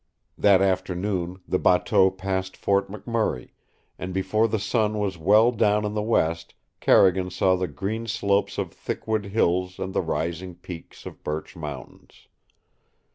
That afternoon the bateau passed Fort McMurray, and before the sun was well down in the west Carrigan saw the green slopes of Thickwood Hills and the rising peaks of Birch Mountains.